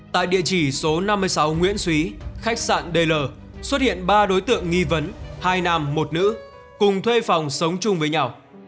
tại địa chỉ số năm mươi sáu nguyễn xúy khách sạn dl xuất hiện ba đối tượng nghi vấn hai nam một nữ cùng thuê phòng sống chung với nhau